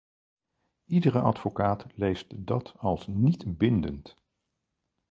Iedere advocaat leest dat als niet-bindend.